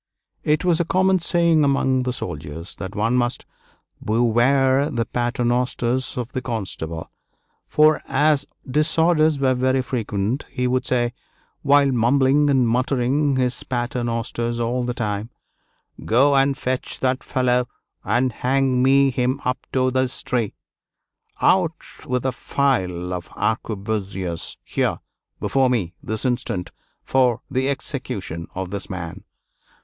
It was a common saying among the soldiers that one must "beware the paternosters of the Constable." For as disorders were very frequent, he would say, while mumbling and muttering his paternosters all the time, "Go and fetch that fellow and hang me him up to this tree;" "Out with a file of harquebusiers here before me this instant, for the execution of this man!"